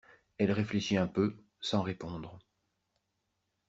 Elle réfléchit un peu, sans répondre.